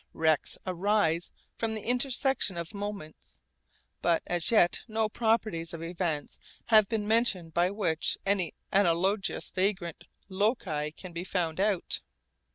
Rects arise from the intersection of moments. But as yet no properties of events have been mentioned by which any analogous vagrant loci can be found out.